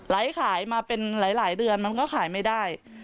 ขายมาเป็นหลายเดือนมันก็ขายไม่ได้